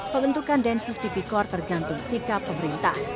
pembentukan densus tipikor tergantung sikap pemerintah